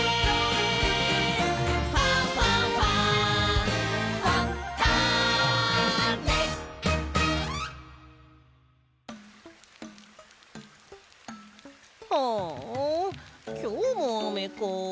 「ファンファンファン」はあきょうもあめか。